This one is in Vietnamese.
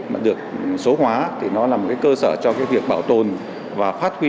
mà được số hóa thì nó là một cơ sở cho việc bảo tồn và phát huy